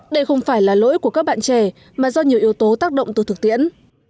đây không phải là lỗi của các bạn trẻ mà do nhiều yếu tố tác động từ thực tiễn